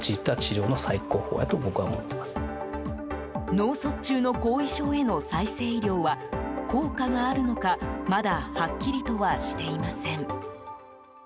脳卒中の後遺症への再生医療は効果があるのかまだはっきりとはしていません。